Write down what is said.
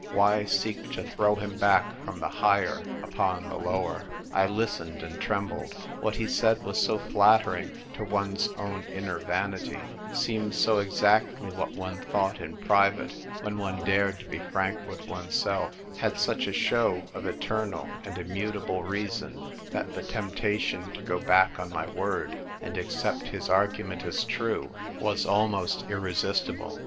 Why seek to throw him back from the higher upon the lower ? I listened and trembled. What he said was so flattering to one's own inner vanity, seemed so exactly what one thought in pri vate when one dared to be frank with oneself, had such a show of eternal and immutable reason, that the temptation to go back on my word and accept his argument as true was ENVOY PLENIPOTENTIARY. 249 almost irresistible.